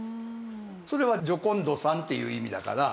それはジョコンドさんっていう意味だから。